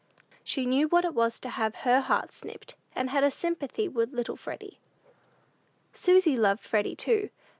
She knew what it was to have her heart snipped, and had a sympathy with little Freddy. Susy loved Freddy, too.